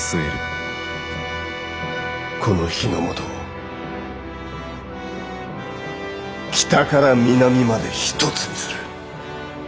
この日ノ本を北から南まで一つにする。